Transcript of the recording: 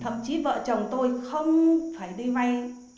thậm chí vợ chồng tôi không phải đi vay